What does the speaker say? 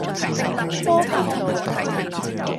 科發道